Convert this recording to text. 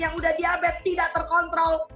yang udah diabetes tidak terkontrol